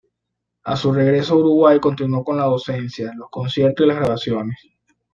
A su regreso a Uruguay continuó con la docencia, los conciertos y las grabaciones.